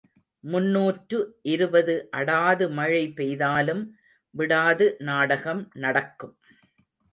முன்னூற்று இருபது அடாது மழை பெய்தாலும் விடாது நாடகம் நடக்கும்.